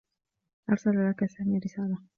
أرسل لك سامي رسالة.